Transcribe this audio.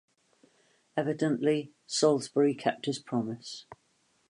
Evidently Saulsbury kept his promise.